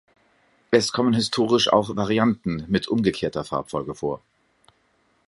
Es kommen historisch auch Varianten mit umgekehrter Farbfolge vor.